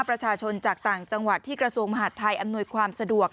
ประชาชนจากต่างจังหวัดที่กระทรวงมหาดไทยอำนวยความสะดวก